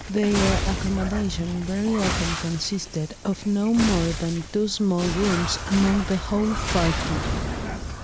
Their accommodation very often consisted of no more than two small rooms among the whole party.